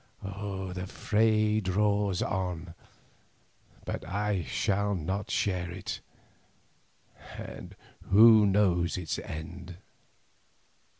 The fray draws on, but I shall not share it, and who knows its end?"